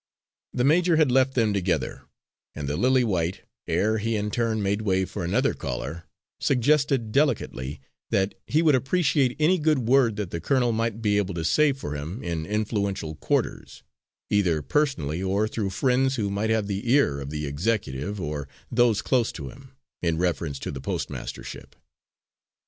The major had left them together, and the Lily White, ere he in turn made way for another caller, suggested delicately, that he would appreciate any good word that the colonel might be able to say for him in influential quarters either personally or through friends who might have the ear of the executive or those close to him in reference to the postmastership.